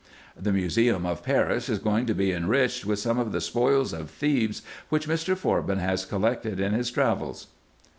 The Museum of Paris is going to be enriched with some of the spoils of Thebes, which Mr. Forbin has collected in his travels."